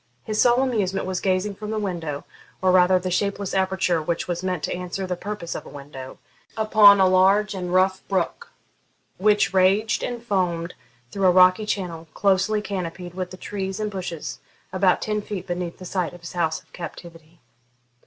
His sole amusement was gazing from the window, or rather the shapeless aperture which was meant to answer the purpose of a window, upon a large and rough brook, which raged and foamed through a rocky channel, closely canopied with trees and bushes, about ten feet beneath the site of his house of captivity.